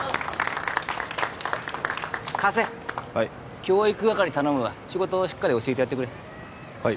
加瀬教育係頼むわはい仕事しっかり教えてやってくれはい